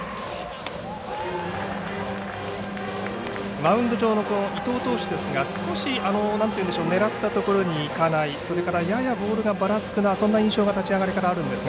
マウンド上の伊藤投手ですが、少し狙ったところにいかないそれからややボールがばらつくそんな印象が立ち上がりからあるんですが。